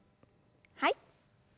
はい。